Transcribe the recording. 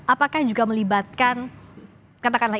apakah juga melibatkan katakanlah